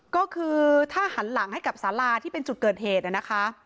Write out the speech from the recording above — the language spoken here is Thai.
ก็คือถ้าหันหลังให้กับสาราที่เป็นจุดเกิดเหตุนะคะ